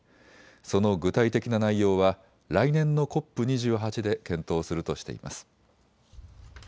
その具体的な内容は来年のＣＯＰ２８で検討するとしています。